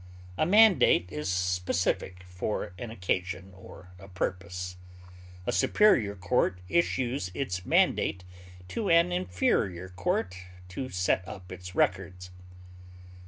A mandate is specific, for an occasion or a purpose; a superior court issues its mandate to an inferior court to send up its records.